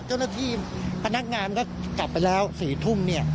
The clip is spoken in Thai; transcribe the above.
เจ้าหน้าที่พนักงานก็กลับไปแล้ว๔ทุ่มเนี่ย